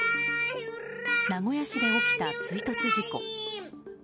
名古屋市で起きた追突事故。